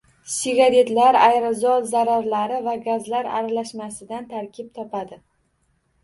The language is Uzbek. Sigaretlar aerozol zarralari va gazlari aralashmasidan tarkib topadi